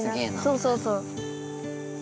そうそうそう。